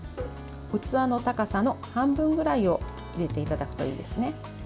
器の高さの半分くらいに入れていただくといいですね。